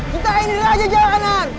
kita ini raja jalanan